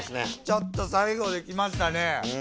ちょっと最後で来ましたね。